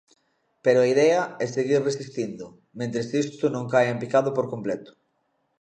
Pero a idea é seguir resistindo, mentres isto non caia en picado por completo.